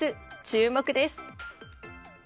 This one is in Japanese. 注目です。